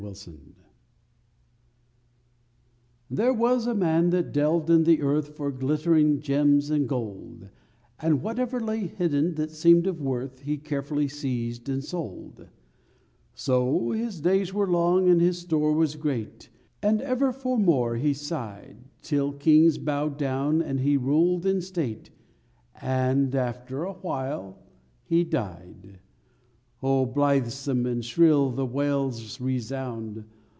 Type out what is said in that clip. FINIS There was a man that delved in the earth For glittering gems and gold, And whatever lay hidden that seemed of worth He carefully seized and sold; So his days were long and his store was great, And ever for more he sighed, 'Till kings bowed down and he ruled in state— And after awhile he died. _Oh, blithesome and shrill the wails resound!